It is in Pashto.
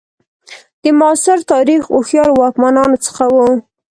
د معاصر تاریخ هوښیارو واکمنانو څخه وو.